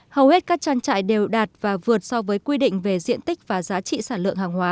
hầu hết các trang trại đều đạt và vượt so với quy định về diện tích và giá trị sản lượng hàng hóa